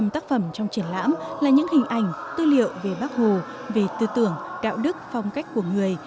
một trăm linh tác phẩm trong triển lãm là những hình ảnh tư liệu về bác hồ về tư tưởng đạo đức phong cách của người